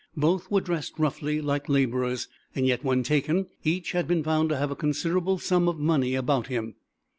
Both were dressed roughly, like laborers. Yet, when taken, each had been found to have a considerable sum of money about him.